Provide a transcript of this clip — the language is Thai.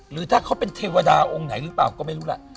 หรือถ้าเขาเป็นเทวดาองค์ไหนหรือเปล่าก็ไม่รู้ล่ะ